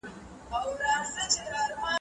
دلته زه د پښتو ژبې غونډلې جوړوم او ليکم